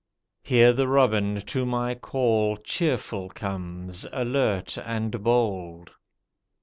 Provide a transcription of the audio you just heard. Here the robin to my call cheerful comes, alert and bold.